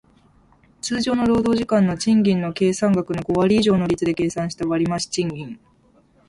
通常の労働時間の賃金の計算額の五割以上の率で計算した割増賃金